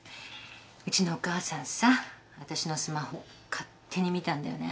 うちのお母さんさ私のスマホ勝手に見たんだよね。